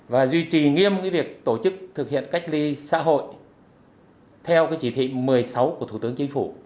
và duy trì nghiêm việc tổ chức thực hiện cách ly xã hội theo chỉ thị một mươi sáu của thủ tướng chính phủ